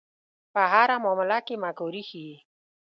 په هره معامله کې مکاري ښيي.